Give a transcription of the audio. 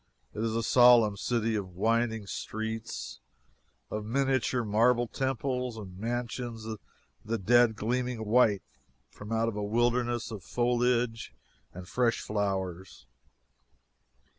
It is a solemn city of winding streets and of miniature marble temples and mansions of the dead gleaming white from out a wilderness of foliage and fresh flowers.